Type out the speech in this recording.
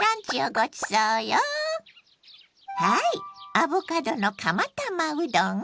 アボカドの釜玉うどん。